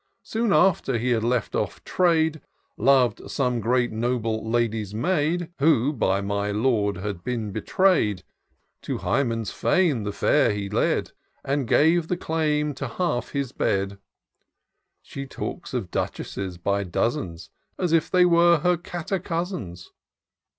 Soon after he had left off trade, Lov'd some great noble lady's maid. Who by my lord had been betray'd : To HyI^en's &ne the fair he led. And gave the claim to half his bed : She talks of duchesses by dozens, As if they were her cater cousins.